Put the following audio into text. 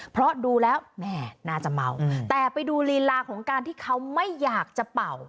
เพราะดูแล้วแม่น่าจะเมาแต่ไปดูลีลาของการที่เขาไม่อยากจะเป่า